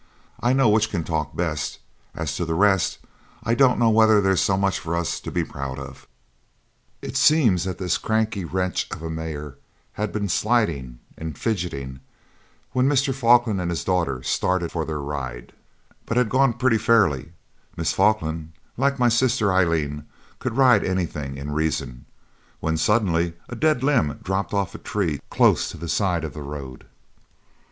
I know which can talk best. As to the rest, I don't know whether there's so much for us to be proud of. It seems that this cranky wretch of a mare had been sideling and fidgeting when Mr. Falkland and his daughter started for their ride; but had gone pretty fairly Miss Falkland, like my sister Aileen, could ride anything in reason when suddenly a dead limb dropped off a tree close to the side of the road.